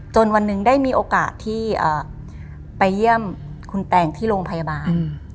วันหนึ่งได้มีโอกาสที่ไปเยี่ยมคุณแตงที่โรงพยาบาล